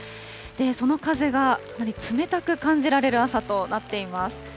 その風が冷たく感じられる朝となっています。